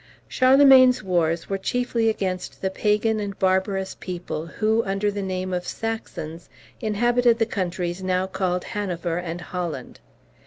Charlemagne's wars were chiefly against the pagan and barbarous people, who, under the name of Saxons, inhabited the countries now called Hanover and Holland.